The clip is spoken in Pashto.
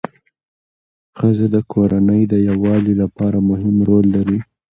ښځه د کورنۍ د یووالي لپاره مهم رول لري